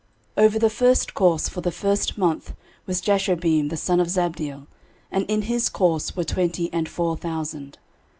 13:027:002 Over the first course for the first month was Jashobeam the son of Zabdiel: and in his course were twenty and four thousand.